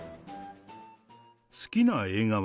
好きな映画は？